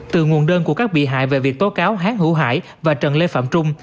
từ nguồn đơn của các bị hại về việc tố cáo hán hữu hải và trần lê phạm trung